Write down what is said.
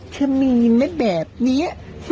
คือมีไหมแบบนี้